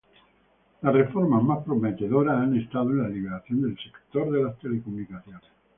Las reformas más prometedoras han estado en la liberalización del sector de las telecomunicaciones.